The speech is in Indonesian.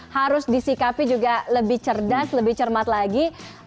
harus disikapi juga lebih cerdas lebih cermat lagi